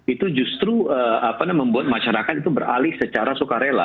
itu justru membuat masyarakat itu beralih secara sukarela